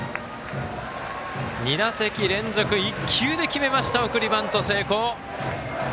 ２打席連続１球で決めました送りバント成功。